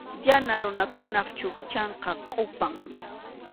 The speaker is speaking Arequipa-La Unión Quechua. Yana runakunap chukchanqa kʼupam.